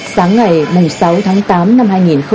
sáng ngày sáu tháng tám năm hai nghìn hai mươi hai